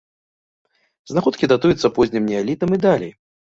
Знаходкі датуюцца познім неалітам і далей.